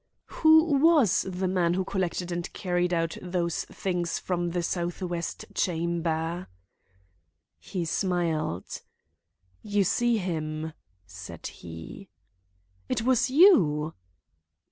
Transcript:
"Who was the man who collected and carried out those things from the southwest chamber?" He smiled. "You see him," said he. "It was you?"